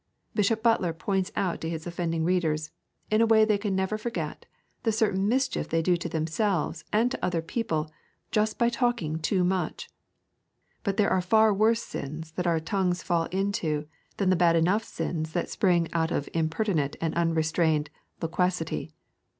Bishop Butler points out to his offending readers, in a way they can never forget, the certain mischief they do to themselves and to other people just by talking too much. But there are far worse sins that our tongues fall into than the bad enough sins that spring out of impertinent and unrestrained loquacity.